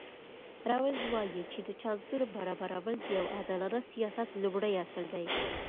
راولز وایي چې د چانسونو برابرول د یو عادلانه سیاست لومړی اصل دی.